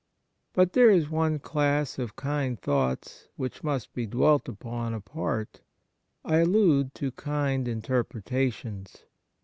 But there is one class of kind thoughts which must be dwelt upon apart. I allude to kind interpretations.